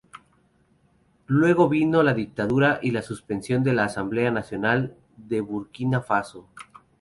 Luego vino la dictadura y la suspensión de la Asamblea Nacional de Burkina Faso.